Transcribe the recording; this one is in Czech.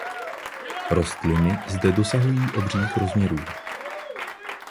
Rostliny zde dosahují obřích rozměrů.